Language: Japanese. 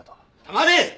黙れ！